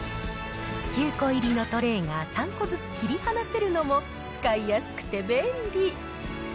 ９個入りのトレーが３個ずつ切り離せるのも、使いやすくて便利。